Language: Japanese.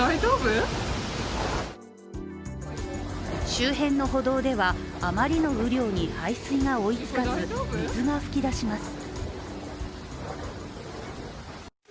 周辺の歩道ではあまりの雨量に排水が追いつかず、水が噴き出します。